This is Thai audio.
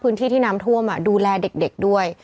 พื้นที่ที่น้ำท่วมดูแลเด็กด้วย